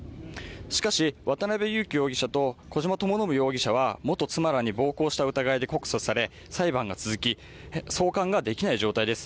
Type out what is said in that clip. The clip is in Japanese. しかし、渡辺優樹容疑者と小島智信容疑者は元妻らに暴行した疑いで告訴され、裁判が続き送還ができない状態です。